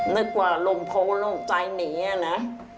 นึกว่าลุงโพลลุงใส่หนีอะนะ